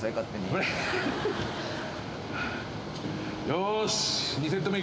よし。